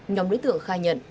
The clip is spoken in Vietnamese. nhóm đối tượng khai nhận